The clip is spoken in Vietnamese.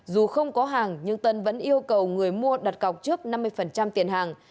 dù không có hàng nhưng tân vẫn yêu cầu người mua đặt cọc trước năm mươi tiền hàng